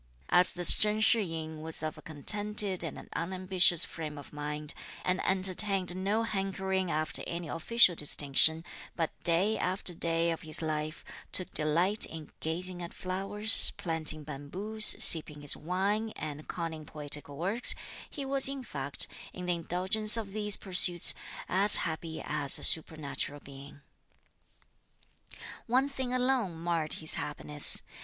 As this Chen Shih yin was of a contented and unambitious frame of mind, and entertained no hankering after any official distinction, but day after day of his life took delight in gazing at flowers, planting bamboos, sipping his wine and conning poetical works, he was in fact, in the indulgence of these pursuits, as happy as a supernatural being. One thing alone marred his happiness.